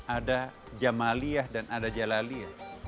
ada jamaliah dan ada jalaliah